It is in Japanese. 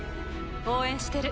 応援してる。